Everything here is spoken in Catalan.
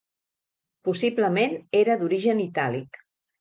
Possiblement era d'origen itàlic.